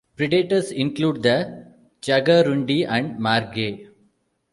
Predators include the jaguarundi and margay.